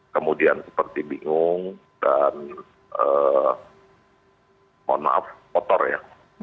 kemudian seperti bingung dan mohon maaf kotor ya